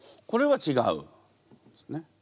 これはちがうんですね？